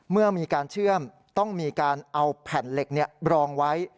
เมื่อมีการเชื่อมต้องมีการเอาแผ่นเหล็กรองไว้